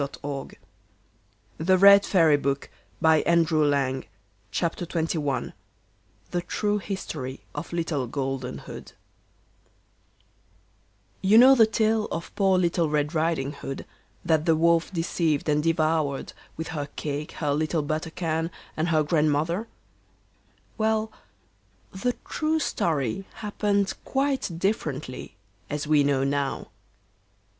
There are more difficult things to believe than that. Ch. Marelles. THE TRUE HISTORY OF LITTLE GOLDEN HOOD You know the tale of poor Little Red Riding hood, that the Wolf deceived and devoured, with her cake, her little butter can, and her Grandmother; well, the true story happened quite differently, as we know now.